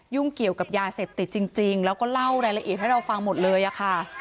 เกี่ยวกับยาเสพติดจริงแล้วก็เล่ารายละเอียดให้เราฟังหมดเลยอะค่ะ